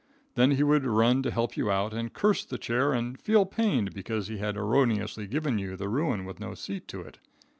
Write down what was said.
Then he would run to help you out and curse the chair, and feel pained because he had erroneously given you the ruin with no seat to it.